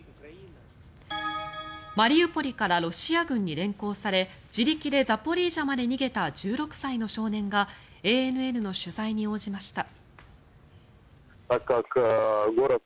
マリウポリからロシア軍に連行され自力でザポリージャまで逃げた１６歳の少年がＡＮＮの取材に応じました。